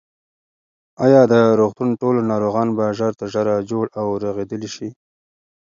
ایا د روغتون ټول ناروغان به ژر تر ژره جوړ او رغېدلي شي؟